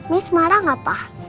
miss marah gak pak